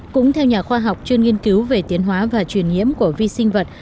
cũng theo nhà khoa học chuyên nghiên cứu về tiến hóa và truyền nhiễm của vi sinh vật